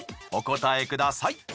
お答えください。